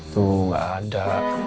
tuh gak ada